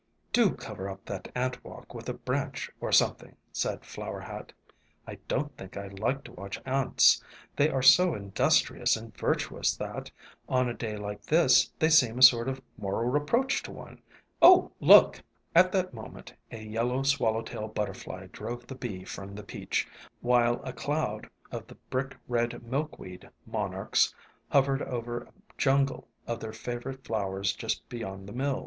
" Do cover up that ant walk with a branch or something," said Flower Hat. "I don't think I like to watch ants; they are so industrious and virtuous that, on a day like this, they seem a sort of moral reproach to one. Oh, look!" At that moment a yellow swallow tail butterfly drove the bee from the peach, while a cloud of ALONG THE WATERWAYS 57 the brick red milkweed monarchs hovered over a jungle of their favorite flowers just beyond the mill.